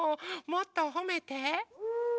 もっとほめて。